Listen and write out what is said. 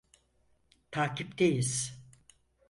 Takipteyiz.